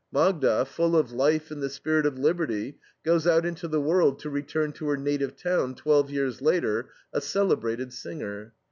Magda, full of life and the spirit of liberty, goes out into the world to return to her native town, twelve years later, a celebrated singer.